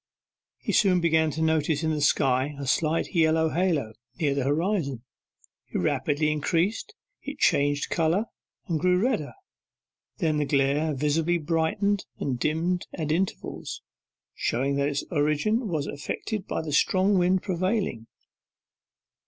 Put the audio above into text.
He soon began to notice in the sky a slight yellow halo, near the horizon. It rapidly increased; it changed colour, and grew redder; then the glare visibly brightened and dimmed at intervals, showing that its origin was affected by the strong wind prevailing.